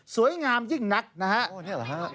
สวยงามยิ่งนักนะครับ